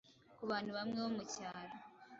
Kubantu bamwe bo mucyaro,